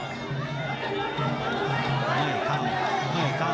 ไม่เข้าไม่เข้า